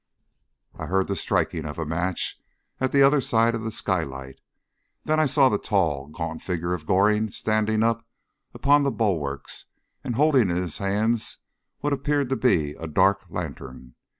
I heard the striking of a match at the other side of the skylights, and then I saw the tall, gaunt figure of Goring standing up on the bulwarks and holding in his hands what appeared to be a dark lantern.